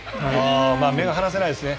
目が離せないですね。